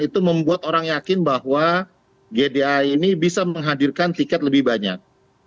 itu membuat orang yakin bahwa gdi ini bisa menghadirkan tiket lebih banyak